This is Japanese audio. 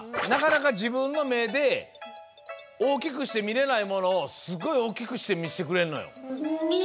なかなかじぶんのめで大きくして見れないモノをすごい大きくして見せてくれるのよ。